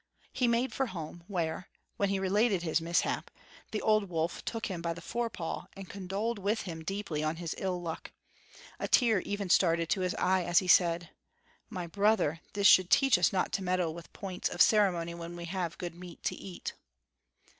He made for home, where, when he related his mishap, the old wolf took him by the fore paw and condoled with him deeply on his ill luck. A tear even started to his eye as he said: "My brother, this should teach us not to meddle with points of ceremony when we have good meat to eat."